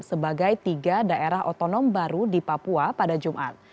sebagai tiga daerah otonom baru di papua pada jumat